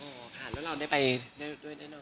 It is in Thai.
โอ้ค่ะแล้วเราได้ไปด้วยหน่อย